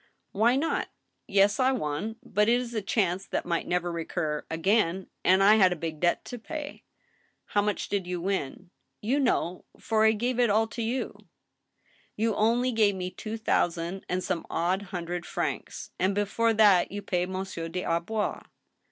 " Why not ? Yes, I won. But it is a chance that might never recur again, and I had a big debt to pay —"How much did you win ?"" You know, for I gave it all to you." AN ILLUMINATION. X63 "You only gave me two thousand and some odd hundred francs, and before that you paid Monsieur des Arbois."